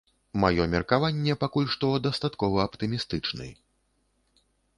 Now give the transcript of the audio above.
Маё меркаванне пакуль што дастаткова аптымістычны.